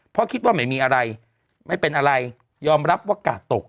เพราะคิดว่าไม่มีอะไรไม่เป็นอะไรยอมรับว่ากาดตก